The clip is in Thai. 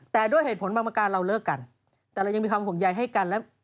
แต่ด้วยเหตุผลบางประการเราเลิกกันแต่เรายังมีความห่วงใยให้กันและ